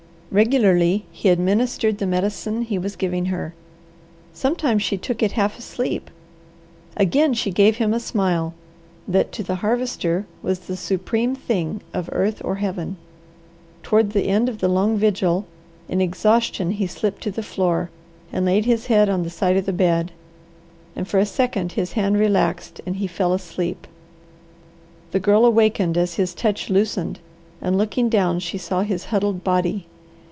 Regularly he administered the medicine he was giving her. Sometimes she took it half asleep; again she gave him a smile that to the Harvester was the supreme thing of earth or Heaven. Toward the end of the long vigil, in exhaustion he slipped to the floor, and laid his head on the side of the bed, and for a second his hand relaxed and he fell asleep. The Girl awakened as his touch loosened and looking down she saw his huddled body.